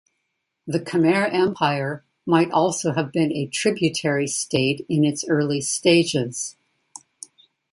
The Khmer Empire might also have been a tributary state in its early stages.